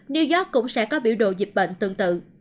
new york cũng sẽ có biểu đồ dịch bệnh tương tự